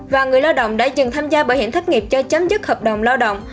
và người lao động đã dừng tham gia bảo hiểm thất nghiệp cho chấm dứt hợp đồng lao động